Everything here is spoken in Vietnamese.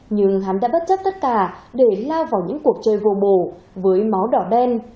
nhưng hắn đã bất chấp tất cả để lao vào những cuộc chơi goo bổ với máu đỏ đen